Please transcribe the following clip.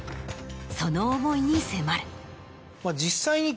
その思いに迫る。